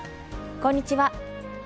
こんにちは。